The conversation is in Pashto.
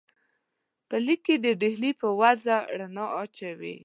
په لیک کې د ډهلي پر وضع رڼا اچوي.